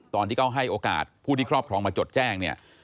ตอนที่เขาให้โอกาสผู้ที่ครอบครองมาจดแจ้งเนี่ย